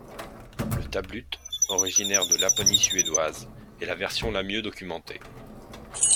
Le Tablut, originaire de Laponie suédoise, est la version la mieux documentée.